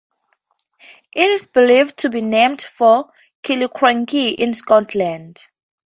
It is believed to be named for Killiecrankie in Scotland.